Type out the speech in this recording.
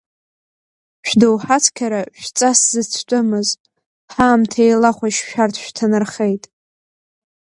Шәдоуҳацқьара шәҵас зыцәтәымыз, ҳаамҭа еилахәашь шәарҭ шәҭанархеит.